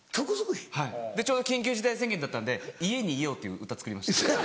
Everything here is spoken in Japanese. ちょうど緊急事態宣言だったんで『家にいよう』っていう歌作りました。